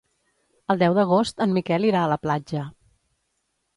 El deu d'agost en Miquel irà a la platja.